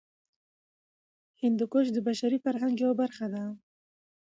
هندوکش د بشري فرهنګ یوه برخه ده.